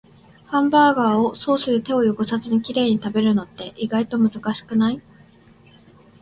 ハンバーガーをソースで手を汚さずにきれいに食べるのって、意外と難しくない？